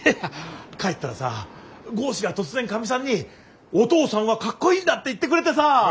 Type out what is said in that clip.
帰ったらさ剛士が突然かみさんに「お父さんはかっこいいんだ」って言ってくれてさ。